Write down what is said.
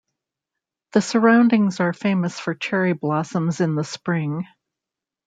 The surroundings are famous for cherry blossoms in the spring.